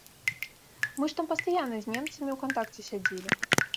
Мы ж там пастаянна з немцамі ў кантакце сядзелі.